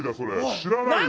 知らないよ。